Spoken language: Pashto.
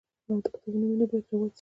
د کتابونو مینه باید رواج سي.